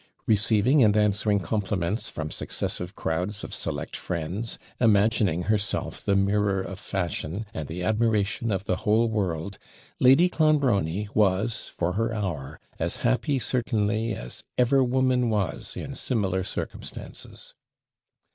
Receiving and answering compliments from successive crowds of select friends, imagining herself the mirror of fashion, and the admiration of the whole world, Lady Clonbrony was, for her hour, as happy certainly as ever woman was in similar circumstances.